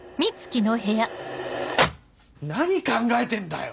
何考えてんだよ！